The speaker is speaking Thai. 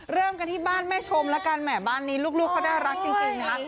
เริ่มกันที่บ้านแม่ชมแล้วกันแหมบ้านนี้ลูกเขาน่ารักจริงนะคะ